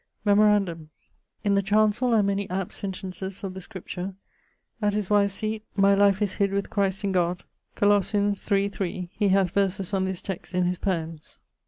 Memorandum: in the chancell are many apt sentences of the Scripture. At his wive's seate, My life is hid with Christ in God, Coloss. iii. 3 (he hath verses on this text in his poëms).